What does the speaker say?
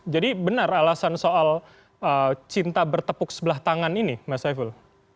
jadi benar alasan soal cinta bertepuk sebelah tangan ini mas saiful